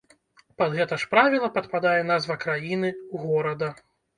Пад гэта ж правіла падпадае назва краіны, горада.